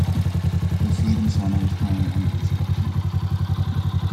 The Freedom Center is currently under construction.